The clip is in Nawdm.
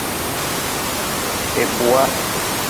I kuwa.